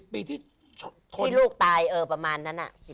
ปีที่ลูกตายประมาณนั้น